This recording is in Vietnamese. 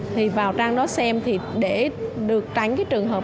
thì vào trang đó xem để được tránh trường hợp